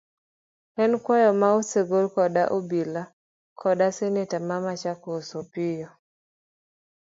En kwayo ma osegol koda obila koda seneta ma Machakos Opiyo.